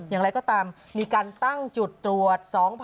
อย่างไรก็ตามมีการตั้งจุดตรวจ